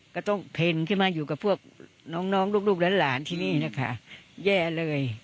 ก็ต้องเพลงขึ้นมาอยู่กับพวกน้องน้องลูกลูกแล้วหลานที่นี่นะคะแย่เลย